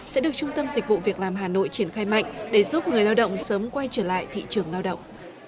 sẽ được trung tâm dịch vụ việc làm hà nội triển khai mạnh để giúp người lao động sớm quay trở lại thị trường lao động